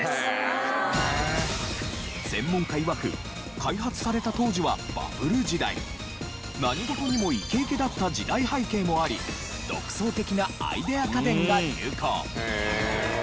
専門家いわく開発された何事にもイケイケだった時代背景もあり独創的なアイデア家電が流行。